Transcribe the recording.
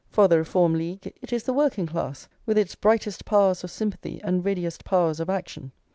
For the Reform League, it is the working class, with its "brightest powers of sympathy and readiest powers of action."